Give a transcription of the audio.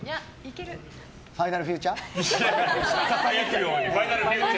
ファイナルフューチャー。